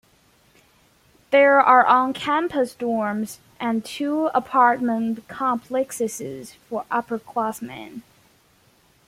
There are on campus dorms and two apartment complexes for upperclassmen.